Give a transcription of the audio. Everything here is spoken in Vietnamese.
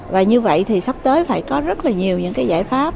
và như vậy thì sắp tới phải có rất là nhiều những cái giải pháp